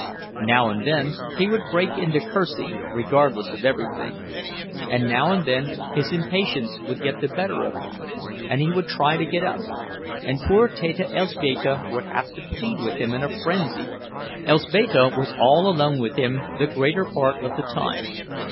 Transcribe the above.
Now and then he would break into cursing, regardless of everything; and now and then his impatience would get the better of him, and he would try to get up, and poor Teta Elzbieta would have to plead with him in a frenzy. Elzbieta was all alone with him the greater part of the time.